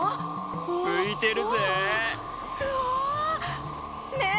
おお浮いてるぜうわねえ